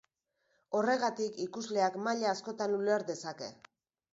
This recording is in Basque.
Horregatik, ikusleak maila askotan uler dezake.